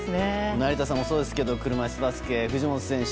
成田さんもそうですが車いすバスケ藤本選手